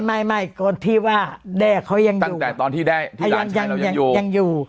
ไม่ไม่ไม่ที่ว่าแด้เขายังอยู่ตั้งแต่ตอนที่แด้ที่หลานชายเรายังอยู่ยังอยู่